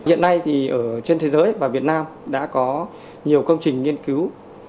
hiện nay thì ở trên thế giới và việt nam đã có nhiều công trình nghiên cứu